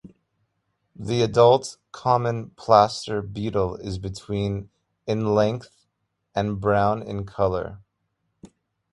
The adult common plaster beetle is between in length and brown in colour.